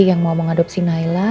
yang mau mengadopsi nailah